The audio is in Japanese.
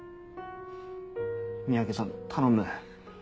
三宅さん頼む。